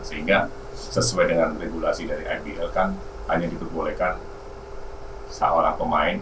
sehingga sesuai dengan regulasi dari ibl kan hanya diperbolehkan seorang pemain